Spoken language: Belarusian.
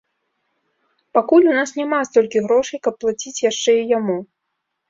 Пакуль у нас няма столькі грошай, каб плаціць яшчэ і яму.